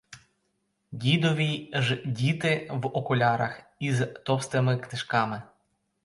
Дідові ж діти в окулярах і з товстими книжками.